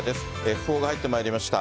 訃報が入ってまいりました。